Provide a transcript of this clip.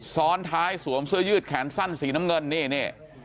ซ้อนท้ายสวมเสื้อยืดแขนสั้นสีน้ำเงินนี่นี่